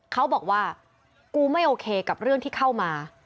เขาบอกว่ากูไม่โอเคกับเรื่องที่เข้ามา